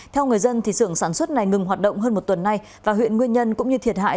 theo người dân xưởng sản xuất này ngừng hoạt động hơn một tuần nay và huyện nguyên nhân cũng như thiệt hại